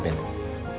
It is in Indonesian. abis ini papa mau mau